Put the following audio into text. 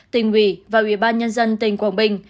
tỉnh ubnd tp đà nẵng và ubnd tp quảng bình